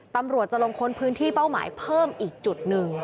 ตำรวจจะลงค้นพื้นที่เป้าหมายเพิ่มอีกจุดหนึ่ง